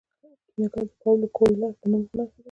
کیمیاګر د پاولو کویلیو د نبوغ نښه ده.